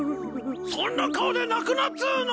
そんな顔で泣くなっつうの！